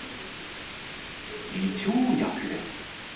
胃腸薬です。